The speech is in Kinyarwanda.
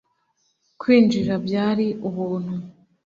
kwinjira byari ubuntu